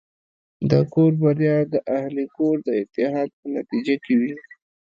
د کور بریا د اهلِ کور د اتحاد په نتیجه کې وي.